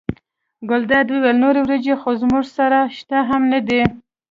ګلداد وویل نورې وریجې خو موږ سره شته هم نه دي.